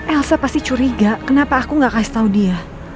elsa pasti curiga kenapa aku nggak kasih tahu dia